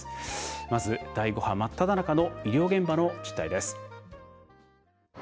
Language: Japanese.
まず、第５波真っただ中の医療現場の実態です。